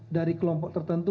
dari kelompok tertentu